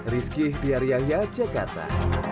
rizkih diaryahya yogyakarta